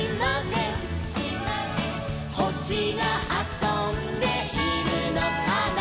「ほしがあそんでいるのかな」